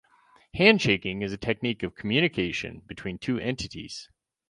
Handshaking is a technique of communication between two entities.